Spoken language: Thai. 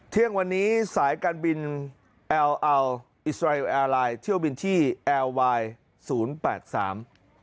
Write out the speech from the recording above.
เที่ยงวันนี้สายการบินเอลอาร์อิสราเอลไอลายด์เที่ยวบินที่เอลวายศูนย์แปดสาม